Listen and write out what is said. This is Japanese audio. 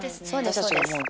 私たちがもう。